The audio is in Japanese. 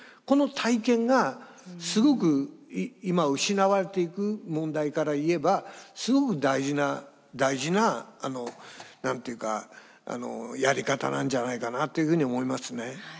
この体験がすごく今失われていく問題から言えばすごく大事な大事な何て言うかやり方なんじゃないかなというふうに思いますね。